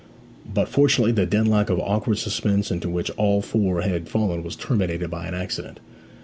But fortunately the deadlock of awkward suspense into which all four had fallen was terminated by an accident.